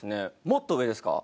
もっと上ですか？